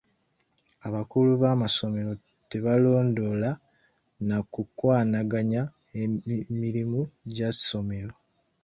Abakulu b'amasomero tebalondoola na kukwanaganya mirimu gya ssomero.